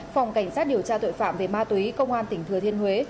phòng cảnh sát điều tra tội phạm về ma túy công an tỉnh thừa thiên huế